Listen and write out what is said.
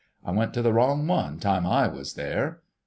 I went to the wrong one time I was there."